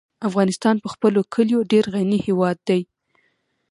افغانستان په خپلو کلیو ډېر غني هېواد دی.